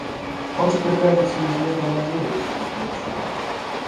Он теперь, кажется, изведал на деле, что такое община.